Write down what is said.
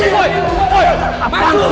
lo mau belakang disini